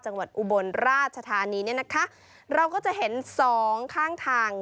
จังหวัดอุบลราชธานีเราก็จะเห็น๒ข้างทาง